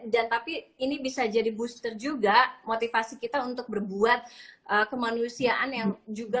dan tapi ini bisa jadi booster juga motivasi kita untuk berbuat kemanusiaan yang juga